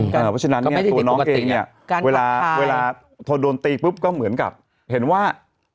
เพราะฉะนั้นเนี่ยตัวน้องเองเนี่ยเวลาพอโดนตีปุ๊บก็เหมือนกับเห็นว่า